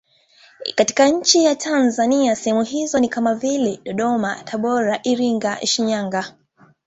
Katika nchi ya Tanzania sehemu hizo ni kama vile Dodoma, Tabora, Iringa, Shinyanga.